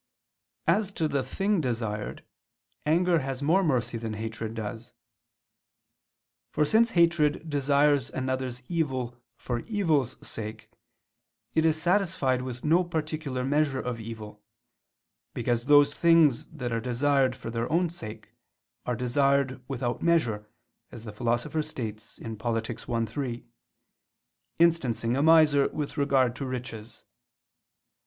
As to the thing desired, anger has more mercy than hatred has. For since hatred desires another's evil for evil's sake, it is satisfied with no particular measure of evil: because those things that are desired for their own sake, are desired without measure, as the Philosopher states (Polit. i, 3), instancing a miser with regard to riches.